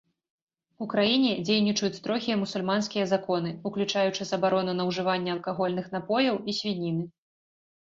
У краіне дзейнічаюць строгія мусульманскія законы, уключаючы забарону на ўжыванне алкагольных напояў і свініны.